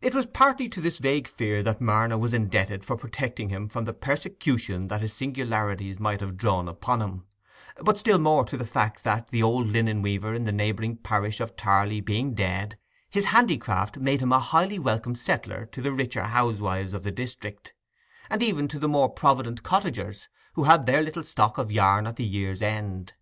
It was partly to this vague fear that Marner was indebted for protecting him from the persecution that his singularities might have drawn upon him, but still more to the fact that, the old linen weaver in the neighbouring parish of Tarley being dead, his handicraft made him a highly welcome settler to the richer housewives of the district, and even to the more provident cottagers, who had their little stock of yarn at the year's end.